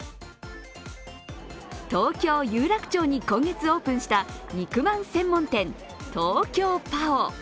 東京・有楽町に今月オープンした肉まん専門店ＴＯＫＹＯＰＡＯ。